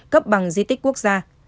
cấp bằng di tích quốc gia